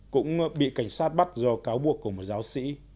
cũng bị cảnh sát bắt do cáo buộc của một giáo sĩ